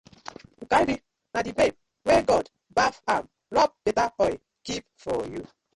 Nkari na di babe wey God baf am rob betta oil keep for yu.